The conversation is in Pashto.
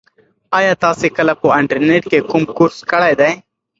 ایا تاسي کله په انټرنيټ کې کوم کورس کړی دی؟